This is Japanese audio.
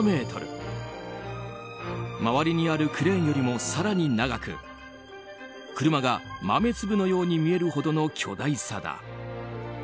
周りにあるクレーンよりも更に長く車が豆粒のように見えるほどの巨大さだ。